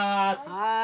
はい。